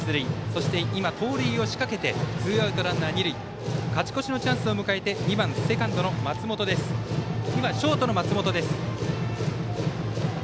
そして、盗塁を仕掛けてツーアウトランナー、二塁勝ち越しのチャンスを迎えて２番ショートの松本です。